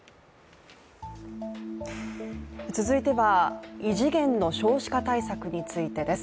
続いては異次元の少子化対策についてです。